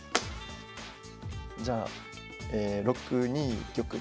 じゃあ６二玉で。